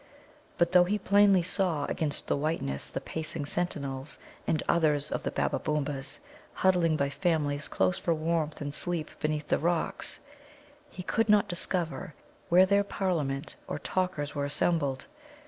But though he plainly saw against the whiteness the pacing sentinels, and others of the Babbabōōmas, huddling by families close for warmth in sleep beneath the rocks, he could not discover where their parliament or talkers were assembled.